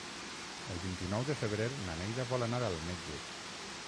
El vint-i-nou de febrer na Neida vol anar al metge.